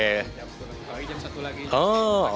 jam satu lagi